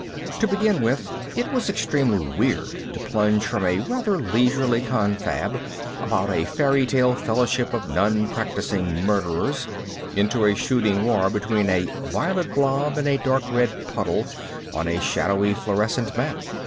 To begin with, it was extremely weird to plunge from a rather leisurely confab about a fairy tale fellowship of non practicing murderers into a shooting war between a violet blob and a dark red puddle on a shadowy fluorescent map.